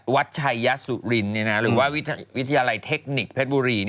วัดชัยยสุรินหรือว่าวิทยาลัยเทคนิคเพชรบุรี